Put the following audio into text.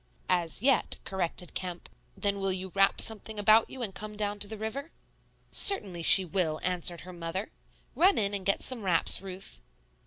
"As yet," corrected Kemp. "Then will you wrap something about you and come down to the river?" "Certainly she will," answered her mother; "run in and get some wraps, Ruth."